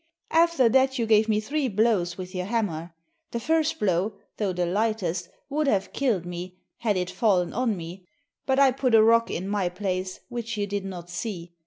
After that you gave me three blows with your hammer. The first blow, though the lightest, would have killed me had it fallen on me, but I put a rock in my place which you did not see.